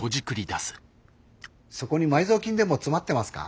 そこに埋蔵金でも詰まってますか？